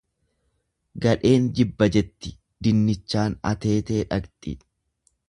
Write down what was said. Gadheen jibba jetti, dinnichaan ateetee dhaqxi.